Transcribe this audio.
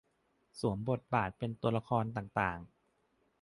สวมบทบาทเป็นตัวละครต่างต่าง